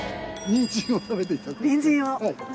にんじんを。